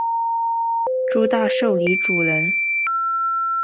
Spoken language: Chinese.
诸大绶漓渚人。